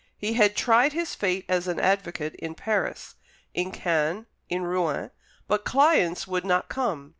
He had tried his fate as an advocate in Paris, in Caen, in Rouen but clients would not come.